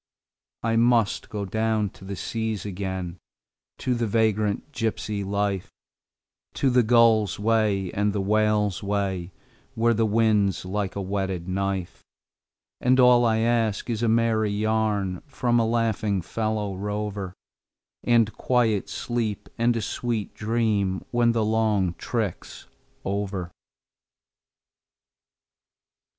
I must go down to the seas again, to the vagrant gypsy life, To the gull's way and the whale's way, where the wind's like a whetted knife; And all I ask is a merry yarn from a laughing fellow rover, And quiet sleep and a sweet dream when the long trick's over.